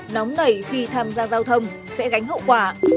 nóng nảy khi tham gia giao thông sẽ gánh hậu quả